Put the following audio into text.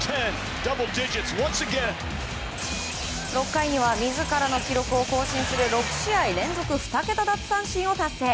６回には自らの記録を更新する６試合連続２桁奪三振を達成。